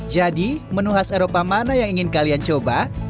jadi menu khas eropa mana yang ingin kalian coba